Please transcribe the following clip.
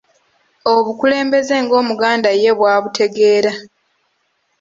Obukulembeze ng’Omuganda ye bw’abutegeera.